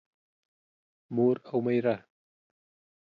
مور او مېره